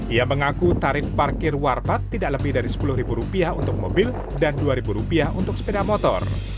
ia mengaku tarif parkir warpat tidak lebih dari rp sepuluh untuk mobil dan rp dua untuk sepeda motor